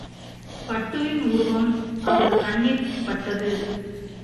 பட்டுவின் உருவம் அவர் கண்ணிற்பட்டது.